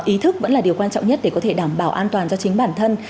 ý thức vẫn là điều quan trọng nhất để có thể đảm bảo an toàn cho chính bản thân